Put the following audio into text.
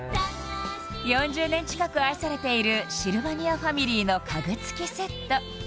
４０年近く愛されているシルバニアファミリーの家具付きセット